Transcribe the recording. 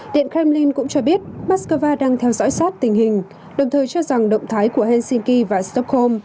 điện kremlin cũng cho biết moscow đang theo dõi sát tình hình đồng thời cho rằng động thái của helsinki và stockholm